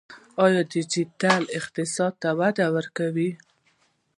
آیا ډیجیټل اقتصاد وده کوي؟